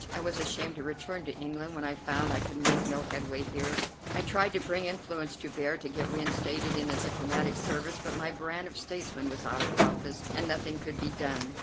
I was ashamed to return to England when I found I could make no headway here. I tried to bring influence to bear to get reinstated in the diplomatic service, but my brand of statesman was out of office and nothing could be done.